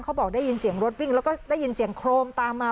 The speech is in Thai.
เขาบอกได้ยินเสียงรถวิ่งแล้วก็ได้ยินเสียงโครมตามมา